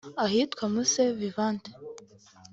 Ahitwa Musée Vivant